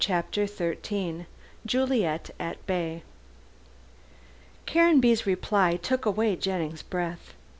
CHAPTER XIII JULIET AT BAY Caranby's reply took away Jennings' breath.